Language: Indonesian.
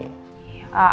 malam juga disini